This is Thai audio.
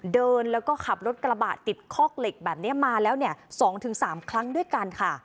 เดินแล้วก็ขับรถกระบะติดคอกเหล็กแบบนี้มาแล้วเนี่ย๒๓ครั้งด้วยกันค่ะ